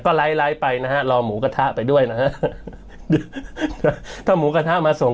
ก็ไลคไลค์ไปนะฮะรอหมูกระทะไปด้วยนะฮะถ้าหมูกระทะมาส่ง